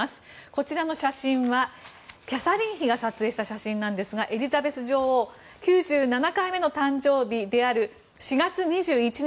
こちらの写真はキャサリン妃が撮影した写真なんですがエリザベス女王、９７回目の誕生日である４月２１日